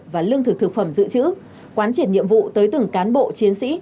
và lương thực thực phẩm dự trữ quán triển nhiệm vụ tới từng cán bộ chiến sĩ